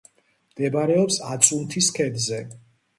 მდებარეობს აწუნთის ქედზე.